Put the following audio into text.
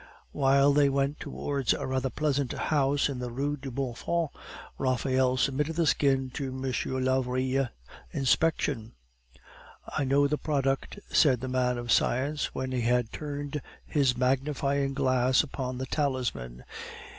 While they went towards a rather pleasant house in the Rue du Buffon, Raphael submitted the skin to M. Lavrille's inspection. "I know the product," said the man of science, when he had turned his magnifying glass upon the talisman.